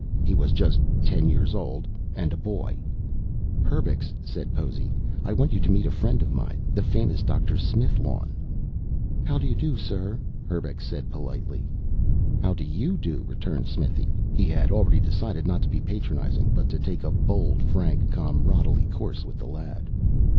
He was just ten years old and a boy. "Herbux," said Possy, "I want you to meet a friend of mine the famous Dr. Smithlawn." "How do you do, sir," Herbux said politely. "How do you do," returned Smithy. He had already decided not to be patronizing, but to take a bold, frank, comradely course with the lad.